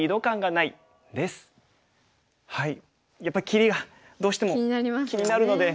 やっぱり切りがどうしても気になるので。